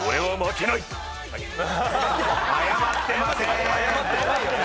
はい。